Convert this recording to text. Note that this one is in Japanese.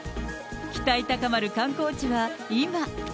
期待高まる観光地は今。